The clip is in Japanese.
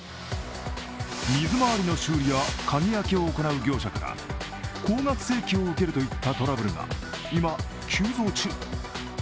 水回りの修理や鍵開けを行う業者から高額請求を受けるといったトラブルが今、急増中。